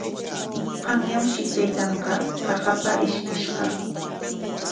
Qanyanshi taytan qaqapa ishkishqa.